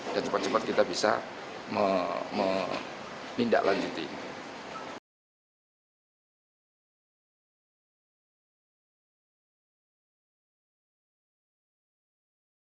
dan cepat cepat kita bisa memindah lanjut ini